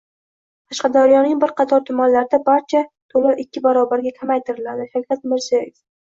Qashqadaryoning bir qator tumanlarida bog‘cha to‘loviikkibarobarga kamaytiriladi – Shavkat Mirziyoyev